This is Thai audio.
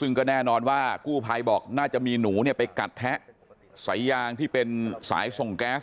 ซึ่งก็แน่นอนว่ากู้ภัยบอกน่าจะมีหนูเนี่ยไปกัดแทะสายยางที่เป็นสายส่งแก๊ส